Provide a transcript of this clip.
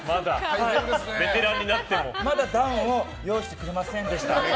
まだダウンを用意してくれませんでした。